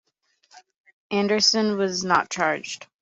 Anderson was not charged.